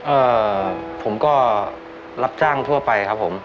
เอ่อผมก็รับจ้างทั่วไปครับผม